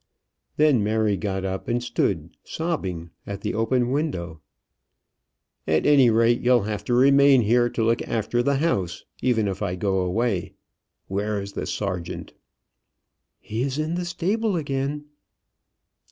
Then Mary got up, and stood sobbing at the open window. "At any rate, you'll have to remain here to look after the house, even if I go away. Where is the Sergeant?" "He's in the stable again."